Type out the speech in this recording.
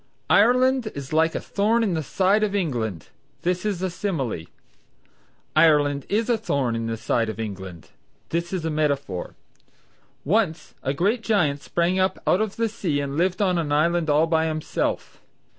"Ireland is like a thorn in the side of England;" this is simile. "Ireland is a thorn in the side of England;" this is metaphor. "Once a great giant sprang up out of the sea and lived on an island all by himself.